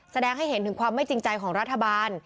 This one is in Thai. แสดงให้เห็นถึงความไม่จริงใจของรัฐบาล